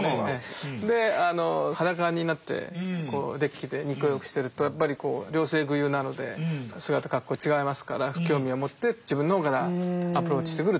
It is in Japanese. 裸になってデッキで日光浴してるとやっぱりこう両性具有なので姿格好違いますから興味を持って自分の方からアプローチしてくるという。